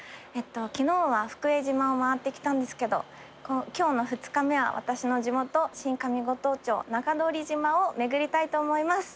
昨日は福江島を回ってきたんですけど今日の２日目は私の地元新上五島町中通島を巡りたいと思います。